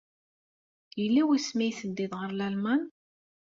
Yella wasmi ay teddiḍ ɣer Lalman?